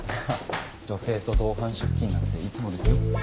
女性と同伴出勤なんていつもですよ。